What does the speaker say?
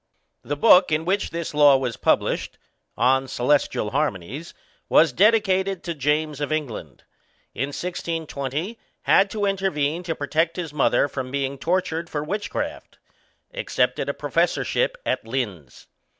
_ The book in which this law was published ("On Celestial Harmonies") was dedicated to James of England. In 1620 had to intervene to protect his mother from being tortured for witchcraft. Accepted a professorship at Linz.